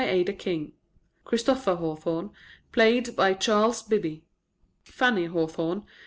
ADA KING Christopher Hawthorn . CHARLES BIBBY Fanny Hawthorn